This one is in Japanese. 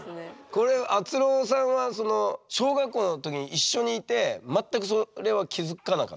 これあつろーさんは小学校の時に一緒にいて全くそれは気付かなかった？